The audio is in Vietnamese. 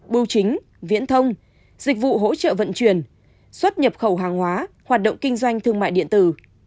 bưu chính viễn thông dịch vụ hỗ trợ vận chuyển xuất nhập khẩu hàng hóa hoạt động kinh doanh thương mại điện tử